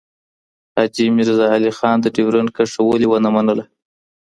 حاجي میرزاعلي خان د ډیورنډ کرښه ولې ونه منله؟